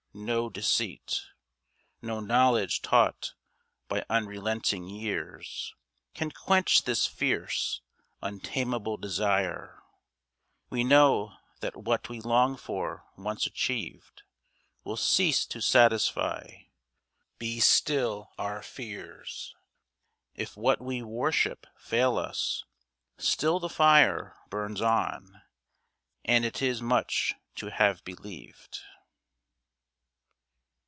No deceit, No knowledge taught by unrelenting years, Can quench this fierce, untamable desire. We know that what we long for once achieved Will cease to satisfy. Be still our fears; If what we worship fail us, still the fire Burns on, and it is much to have believed.